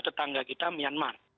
tetangga kita myanmar